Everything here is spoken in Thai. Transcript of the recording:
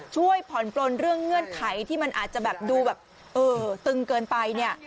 ช่วยผ่อนปลนเรื่องเงื่อนไขที่มันอาจจะดูตึงเกินไป